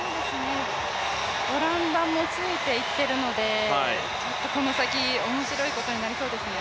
オランダもついていってるのでちょっとこの先面白いことになりそうですね。